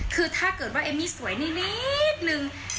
คือถ้าเกิดว่าเอมมี่สวยนิดนึง